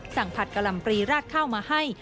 ผัดกะลำปรีราดข้าวมาให้